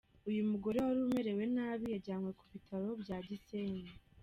Uyu mugore wari umerewe nabi yajyanywe ku Bitaro bya Gisenyi.